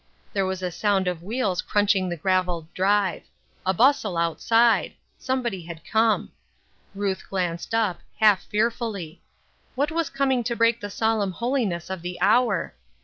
There was a sound of wheels crunching the graveled drive — a bustle outside ; somebody had come. Ruth glanced up, half fearfully. What was coming to break the solemn holiness of the hour